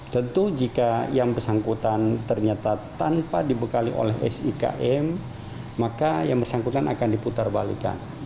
tentu jika yang bersangkutan ternyata tanpa dibekali oleh sikm maka yang bersangkutan akan diputar balikan